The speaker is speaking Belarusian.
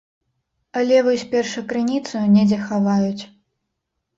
Але вось першакрыніцу недзе хаваюць.